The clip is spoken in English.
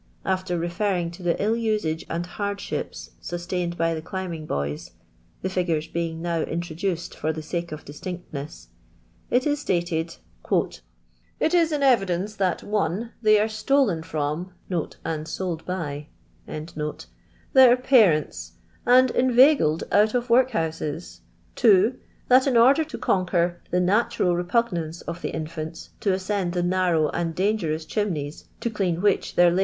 After referring to the ill usage and hardships sus t^iined by the climbing boys (the figures being now introduced for the sake of distinctness) it is stated :— "It is in evidence that (1) they are stolen from" [and sold by] "their parents, and in i veigbfd out of workhouses ; (2) that in order to j conquer the natural repugnance of the infants to j ascend the narrow and dangerous chimneys to I clean which their la!